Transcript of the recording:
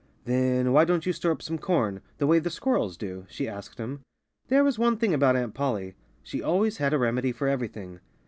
"Then why don't you store up some corn, the way the squirrels do?" she asked him. There was one thing about Aunt Polly she always had a remedy for everything.